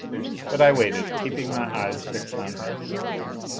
But I waited, keeping my eyes fixed on her.